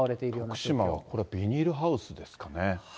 福島はビニールハウスですかね。